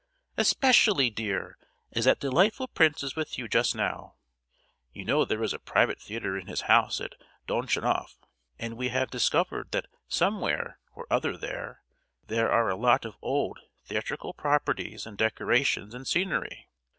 "Especially, dear, as that delightful prince is with you just now. You know there is a private theatre in his house at Donchanof, and we have discovered that somewhere or other there, there are a lot of old theatrical properties and decorations and scenery.